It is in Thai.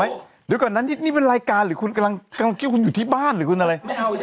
เดี๋ยวก่อนนั้นนี่เป็นรายการหรือกำลังคิดว่าคุณอยู่ที่บ้านหรืออะไร